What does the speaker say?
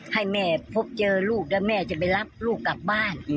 ให้แม่พบเจอลูกแล้วแม่จะไปรับลูกกลับบ้าน